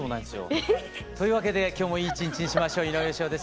というわけで今日もいい一日にしましょう井上芳雄です。